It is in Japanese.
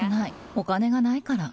お金がないから。